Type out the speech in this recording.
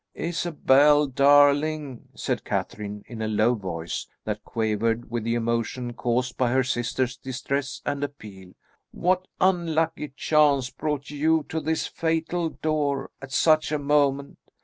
"Isabel, darling," said Catherine in a low voice that quavered with the emotion caused by her sister's distress and appeal, "what unlucky chance brought you to this fatal door at such a moment?